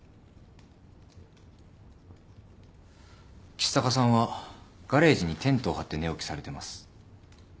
橘高さんはガレージにテントを張って寝起きされてます。